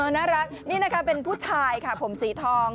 น่ารักนี่นะคะเป็นผู้ชายค่ะผมสีทอง